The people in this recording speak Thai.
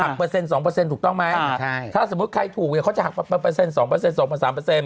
หักเปอร์เซ็นต์สองเปอร์เซ็นต์ถูกต้องไหมใช่ถ้าสมมุติใครถูกเนี่ยเขาจะหักเปอร์เปอร์เซ็นต์สองเปอร์เซ็นต์สองเปอร์สามเปอร์เซ็นต์